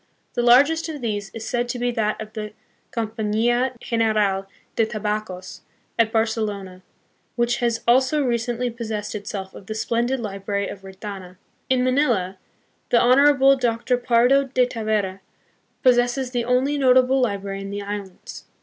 The largest of these is said to be that of the Compania General de Tabacos, at Barcelona, which has also recently possessed itself of the splendid library of Retana. In Manila the Honorable Dr. Pardo de Tavera possesses the only notable library in the islands.